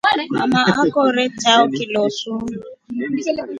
Mama akore chao kilosu.